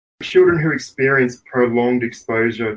anak anak yang mengalami penyakit trauma yang berlalu